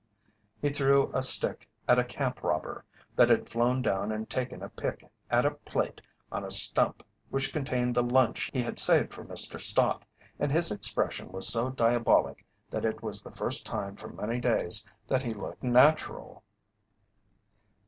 He threw a stick at a "camp robber" that had flown down and taken a pick at a plate on a stump which contained the lunch he had saved for Mr. Stott, and his expression was so diabolic that it was the first time for many days that he had looked natural.